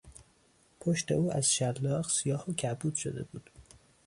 پشت او از شلاق سیاه و کبود شده بود.